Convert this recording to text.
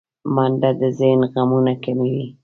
منډه د ذهن غمونه کموي